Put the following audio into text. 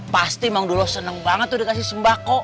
pasti bang dulo seneng banget udah kasih sembako